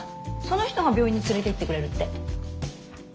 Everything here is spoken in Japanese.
その人が病院に連れていってくれるって。